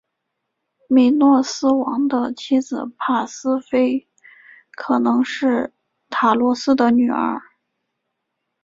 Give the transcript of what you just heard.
米诺斯王的妻子帕斯菲可能是塔罗斯的女儿。